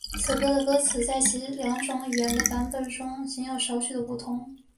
此歌的歌词在其两种语言的版本中仅有少许的不同。